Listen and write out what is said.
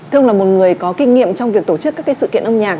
thưa ông là một người có kinh nghiệm trong việc tổ chức các cái sự kiện âm nhạc